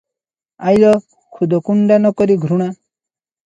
ଖାଇଲ ଖୁଦକୁଣ୍ଡା ନକରି ଘୃଣା